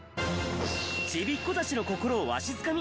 ちびっ子たちの心をわしづかみ。